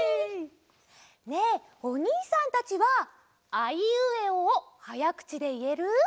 ねえおにいさんたちは「アイウエオ」をはやくちでいえる？